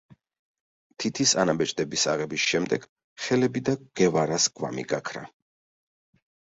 თითის ანაბეჭდების აღების შემდეგ, ხელები და გევარას გვამი გაქრა.